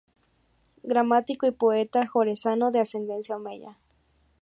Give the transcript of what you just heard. Gramático y poeta jerezano de ascendencia omeya.